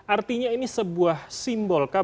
artinya ini sebuah simbol